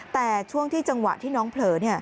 แต่ช่วงที่จังหวะที่น้องเผลอ